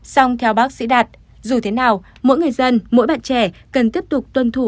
xong theo bác sĩ đạt dù thế nào mỗi người dân mỗi bạn trẻ cần tiếp tục tuân thủ